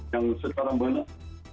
yang secara benar